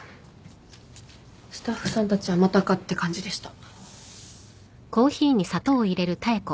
スタッフさんたちはまたかって感じでした。